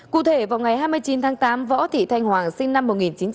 cụ thể vào ngày hai mươi chín tháng tám võ thị thanh hoàng sinh năm một nghìn chín trăm tám mươi